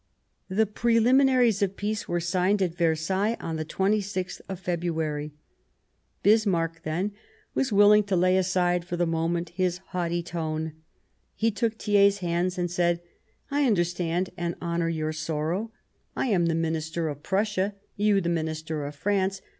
The Preliminaries of Peace were signed at Ver sailles on the 26th of February. Bismarck then was willing to lay aside for the moment his haughty tone ; he took Thiers' hands and said :" I understand and honour your sorrow ; I am the Minister of Prussia, you the Minister of France.